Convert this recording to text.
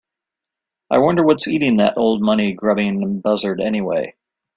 I wonder what's eating that old money grubbing buzzard anyway?